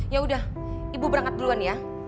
ya udah ibu berangkat duluan ya